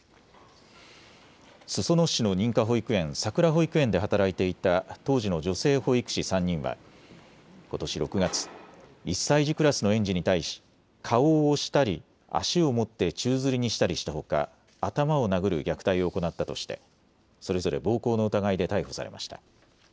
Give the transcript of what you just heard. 裾野市の認可保育園さくら保育園で働いていた当時の女性保育士３人はことし６月、１歳児クラスの園児に対し顔を押したり足を持って宙づりにしたりしたほか頭を殴る虐待を行ったとしてそれぞれ暴行の疑いで逮捕されました。